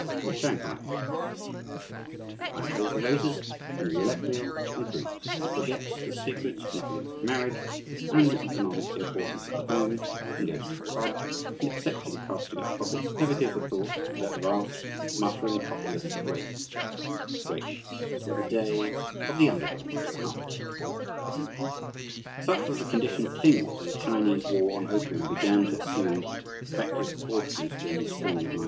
And Shanghai well Shanghai plays the races and the roulette wheel, and drinks, and forgets the sacred significance of marriage and the economic importance of the home, and goes to the club, and except in casting up profits gives never a thought to that vast, muttering populace that waits waits for the day of the under dog to come. Such was the condition of things when the Chinese war on opium began to assume effective proportions during the spring of 1906.